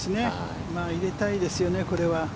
入れたいですよねこれは。